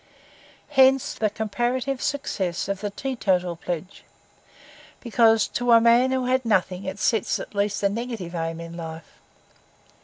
Hence the comparative success of the teetotal pledge; because to a man who had nothing it sets at least a negative aim in life.